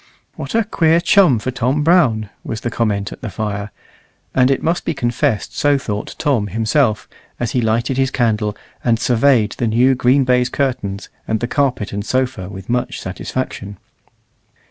"What a queer chum for Tom Brown," was the comment at the fire; and it must be confessed so thought Tom himself, as he lighted his candle, and surveyed the new green baize curtains and the carpet and sofa with much satisfaction.